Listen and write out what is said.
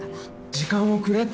時間をくれって。